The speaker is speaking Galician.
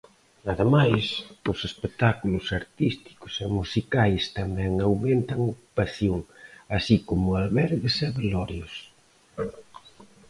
Ademais, os espectáculos artísticos e musicais tamén aumentan ocupación, así como albergues e velorios.